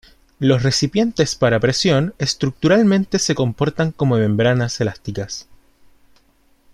Los recipientes para presión estructuralmente se comportan como membranas elásticas.